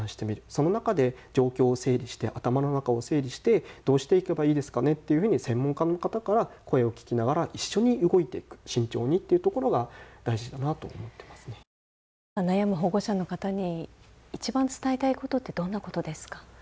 その中で状況を整理して頭の中を整理してどうしていけばいいですかねっていうふうに専門家の方から声を聞きながら一緒に動いていく慎重にっていうところが悩む保護者の方に一番伝えたいことってどんなことですか？